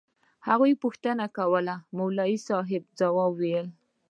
هغوى پوښتنې کولې او مولوي صاحب يې ځوابونه ويل.